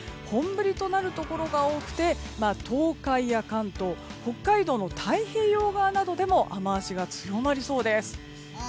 本降りとなるところが多くて東海や関東北海道の太平洋側などでも雨脚が強まりそうです。